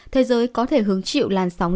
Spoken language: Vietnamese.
thế giới có thể hứng chịu làn sóng